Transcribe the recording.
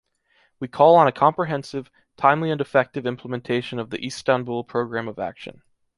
We call on a comprehensive, timely and effective implementation of the Istanbul Programme of Action.